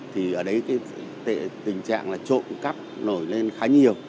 thì ở đấy cái tình trạng là trộm cắp nổi lên khá nhiều